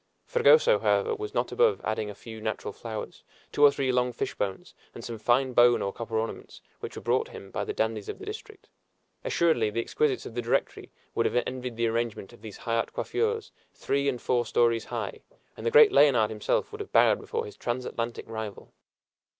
Fragoso, however, was not above adding a few natural flowers, two or three long fish bones, and some fine bone or copper ornaments, which were brought him by the dandies of the district. Assuredly, the exquisites of the Directory would have envied the arrangement of these high art coiffures, three and four stories high, and the great Leonard himself would have bowed before his transatlantic rival.